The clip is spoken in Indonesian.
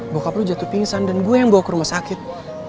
bokap lu jatuh pingsan dan gue yang bawa ke rumah sakit